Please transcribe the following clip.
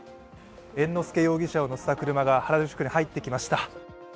猿之助容疑者を乗せた車が原宿署に入ってきました。